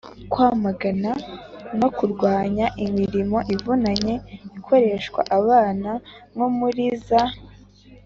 kwamagana no kurwanya imirimo ivunanye ikoreshwa abana nko muri za